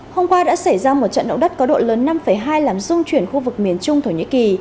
hôm qua đã xảy ra một trận động đất có độ lớn năm hai làm dung chuyển khu vực miền trung thổ nhĩ kỳ